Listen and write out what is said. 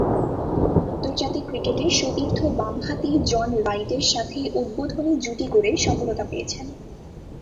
আন্তর্জাতিক ক্রিকেটে সতীর্থ বামহাতি জন রাইটের সাথে উদ্বোধনী জুটি গড়ে সফলতা পেয়েছেন।